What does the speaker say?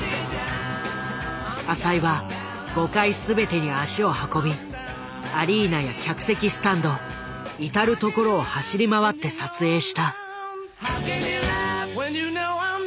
浅井は５回全てに足を運びアリーナや客席スタンド至る所を走り回って撮影した。